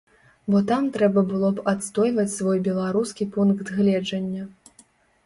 Бо там трэба было б адстойваць свой беларускі пункт гледжання.